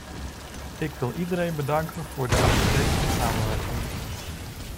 Ik wil iedereen bedanken voor de uitstekende samenwerking.